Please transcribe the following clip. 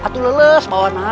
aku lelus bawa nyi